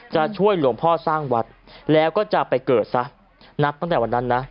จะช่วยหลวงพ่อสร้างวัดแล้วก็จะไปเกิดซะนับตั้งแต่วันนั้นนะ